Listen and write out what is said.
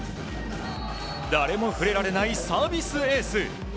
誰も触れられないサービスエース。